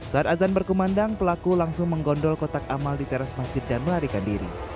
saat azan berkumandang pelaku langsung menggondol kotak amal di teras masjid dan melarikan diri